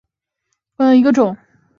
宽翼棘豆为豆科棘豆属下的一个种。